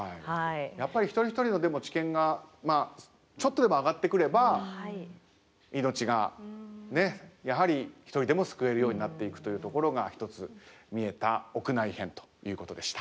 やっぱり一人一人の知見がちょっとでも上がってくればいのちがやはり一人でも救えるようになっていくというところが一つ見えた屋内編ということでした。